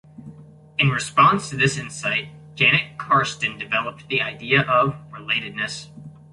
In response to this insight, Janet Carsten developed the idea of "relatedness".